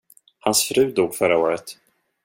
Hans fru dog förra året.